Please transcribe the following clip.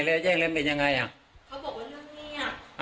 แล้วแย่งแล้วเป็นยังไงอ่ะเขาบอกว่าเรื่องเงียบ